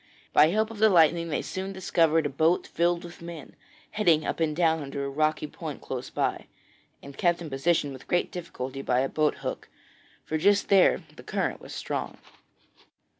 By help of the lightning they soon discovered a boat filled with men, heading up and down under a rocky point close by, and kept in position with great difficulty by a boat hook, for just there the current was strong.